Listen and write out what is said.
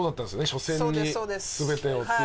初戦に全てをっていう。